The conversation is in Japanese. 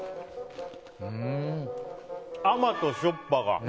うーん甘としょっぱが。